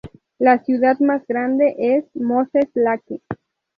La ciudad más grande es Moses Lake.